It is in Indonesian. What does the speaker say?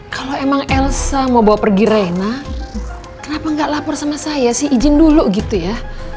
kalau emang elsa mau bawa pergi reina kenapa nggak lapor sama saya sih izin dulu gitu ya